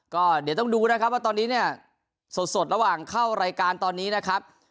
ก็เดี๋ยวต้องดูนะครับว่าตอนนี้เนี่ยสดระหว่างเข้ารายการตอนนี้นะครับ